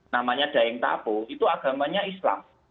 namanya daeng tapo itu agamanya islam